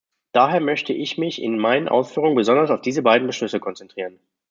Daher möchte ich mich in meinen Ausführungen besonders auf diese beiden Beschlüsse konzentrieren.